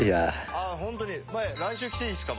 ああホントに来週来ていいですか？